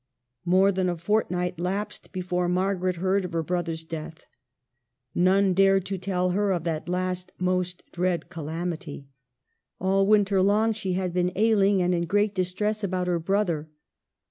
' More than a fortnight lapsed before Margaret heard of her brother's death. None dared to tell her of that last, most dread calamity. All the winter long she had been ailing and in great distress about her brother.